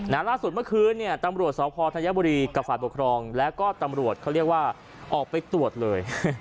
ล่าสุดเมื่อคืนเนี่ยตำรวจสพธัญบุรีกับฝ่ายปกครองแล้วก็ตำรวจเขาเรียกว่าออกไปตรวจเลย